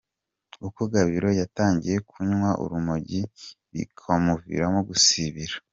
Uko Gabiro yatangiye kunywa urumogi bikamuviramo gusibira.